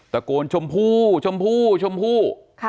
ตะโกนชมพู่ชมพู่ชมพู่